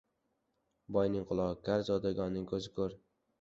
• Boyning qulog‘i kar, zodagonning ko‘zi ko‘r.